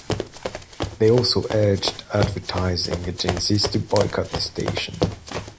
They also urged advertising agencies to boycott the station.